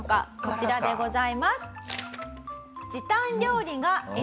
こちらでございます。